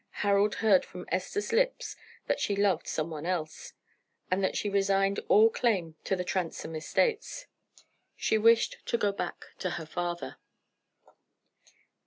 Harold heard from Esther's lips that she loved some one else, and that she resigned all claim to the Transome estates. She wished to go back to her father.